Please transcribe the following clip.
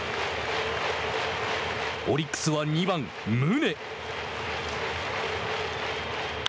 オリックスは２番宗。